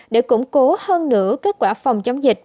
để củng cố hơn nữa kết quả phòng chống dịch